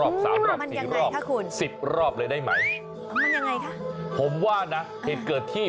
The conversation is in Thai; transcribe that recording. คุณกระพิบตาบ้างก็ได้